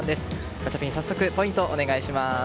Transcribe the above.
ガチャピン早速ポイントお願いします。